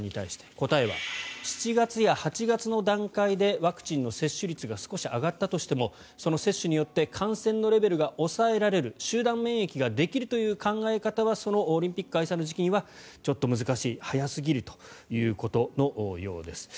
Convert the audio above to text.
答えは７月や８月の段階でワクチンの接種率が少し上がったとしてもその接種によって感染のレベルが抑えられる集団免疫ができるという考え方はそのオリンピック開催の時期にはちょっと難しい早すぎるということのようです。